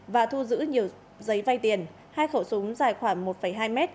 và thu giữ nhiều giấy vay tiền hai khẩu súng dài khoảng một hai m